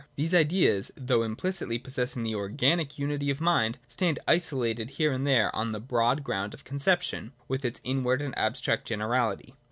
These ideas, though implicitly possessing the organic unity of mind, stand isolated here and there on the broad ground of conception, with its inward and abstract generality.